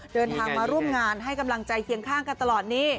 เดินทางมาร่วมงานให้กำลังใจเคียงข้างกันตลอดนี้